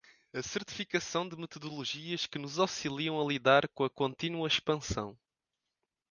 A certificação de metodologias que nos auxiliam a lidar com a contínua expansão